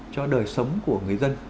cho đời sống của người dân